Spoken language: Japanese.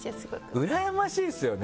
うらやましいですよね！